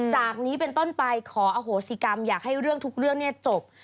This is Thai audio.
จากนี้เป็นต้นไปขออโหสิกรรมอยากให้เรื่องทุกเรื่องจบ